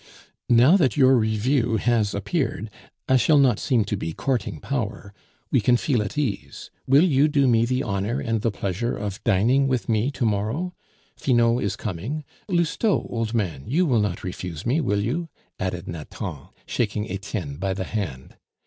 "Now that your review has appeared, I shall not seem to be courting power; we can feel at ease. Will you do me the honor and the pleasure of dining with me to morrow? Finot is coming. Lousteau, old man, you will not refuse me, will you?" added Nathan, shaking Etienne by the hand.